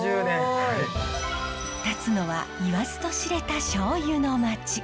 たつのは言わずと知れたしょうゆの町。